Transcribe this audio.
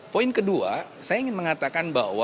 poin kedua saya ingin mengatakan bahwa